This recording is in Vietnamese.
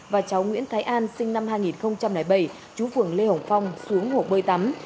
và cháu nguyễn thái an sinh năm hai nghìn bảy chú phường lê hồng phong xuống hồ bơi tắm